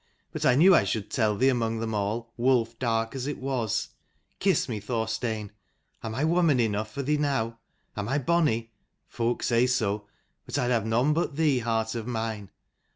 But I knew I should tell thee among them all, wolf dark as it was. Kiss me, Thor stein. Am I woman enough for thee now? Am I bonny? Folk say so; but I'd have none but thee, heart of mine.